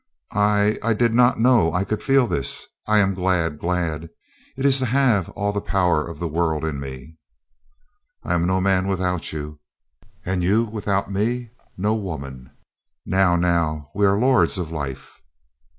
"I — I did not know I could feel this. ... I am glad, glad ! It is to have all the power of the world in me." "I am no man without you. And you without me no woman. Now — now we are lords of life."